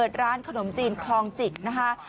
เปิดร้านขนมจีนคลองจิตนะครับ